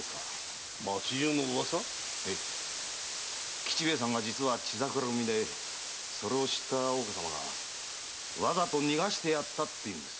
吉兵衛さんが実は血桜組でそれを知った大岡様がわざと逃がしてやったというんです。